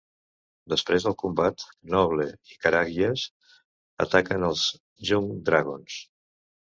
Després del combat, Knoble i Karagias ataquen els Jung Dragons.